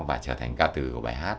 và trở thành ca tử của bài hát